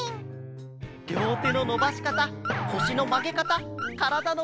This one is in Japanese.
りょうてののばしかたこしのまげかたからだのむき！